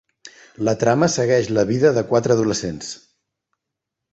La trama segueix la vida de quatre adolescents.